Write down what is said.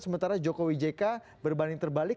sementara jokowi jk berbanding terbalik